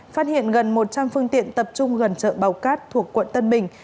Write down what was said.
phát hiện gần một trăm linh phương tiện tập trung gần chợ bào cát thuộc quận tân bình